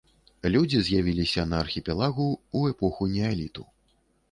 Людзі з'явіліся на архіпелагу ў эпоху неаліту.